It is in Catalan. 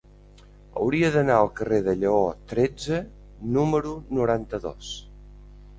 Hauria d'anar al carrer de Lleó tretze número noranta-dos.